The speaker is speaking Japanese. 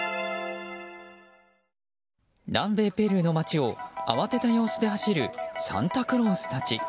南米ペルーの街を慌てた様子で走るサンタクロースたち。